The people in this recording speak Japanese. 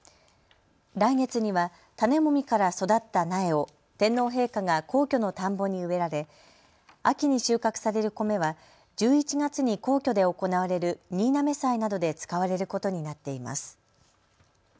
来月には種もみから育った苗を天皇陛下が皇居の田んぼに植えられ秋に収穫される米は１１月に皇居で行われる新嘗祭などで使われることになっています。